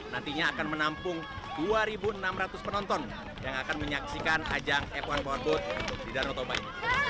nantinya akan menampung dua enam ratus penonton yang akan menyaksikan ajang f satu powerboat di danau toba ini